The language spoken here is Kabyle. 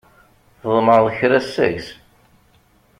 Tḍemɛeḍ kra seg-s?